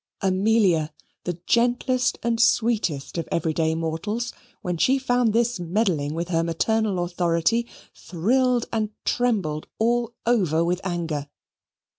Amelia, the gentlest and sweetest of everyday mortals, when she found this meddling with her maternal authority, thrilled and trembled all over with anger.